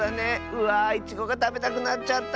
うわいちごがたべたくなっちゃった！